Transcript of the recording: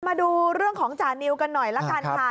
มาดูเรื่องจานิวกันหน่อยล่ะค่ะ